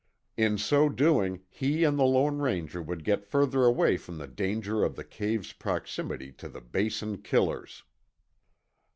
In so doing he and the Lone Ranger would get further away from the danger of the cave's proximity to the Basin killers.